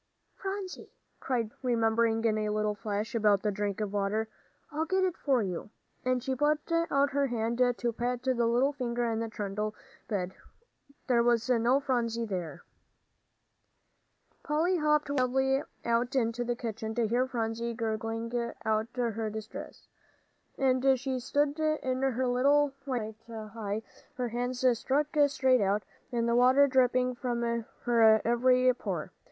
"Phronsie," cried Polly, remembering in a flash about the drink of water, "I'll get it for you," and she put out her hand to pat the little figure in the trundle bed. There was no Phronsie there! Polly hopped wildly out into the kitchen, to hear Phronsie gurgling out her distress, as she stood in her little white nightie, her hands stuck straight out, and the water dripping from her every pore.